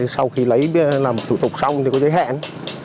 sau khi lấy làm thủ tục xong thì có giới hạn